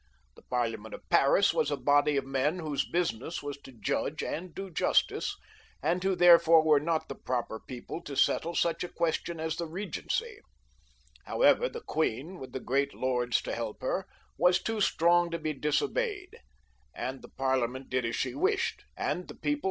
The Parliament of Paris was not in the least like our Parliament in England ; it was a body of men whose business was to judge and do justice, and who therefore were not the proper people to settle such a question as the regency. However, the queen, with the great lords to help her, was too strong to be disobeyed, and the Parliament did as she wished, and the people XLii.